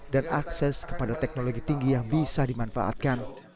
dan akses kepada teknologi tinggi yang bisa dimanfaatkan